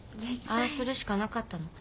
ああするしかなかったの。